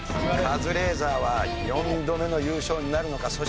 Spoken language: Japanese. カズレーザーは４度目の優勝になるのか？